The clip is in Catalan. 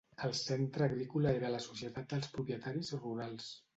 El Centre Agrícola era la societat dels propietaris rurals.